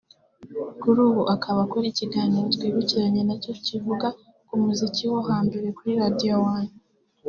Kuri ubu akaba akora ikiganiro Twibukiranye nacyo kivuga ku muziki wo hambere kuri Radio One